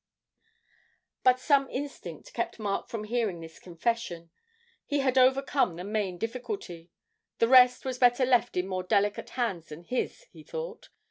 But some instinct kept Mark from hearing this confession; he had overcome the main difficulty the rest was better left in more delicate hands than his, he thought.